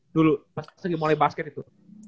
dulu pas lagi mulai basket itu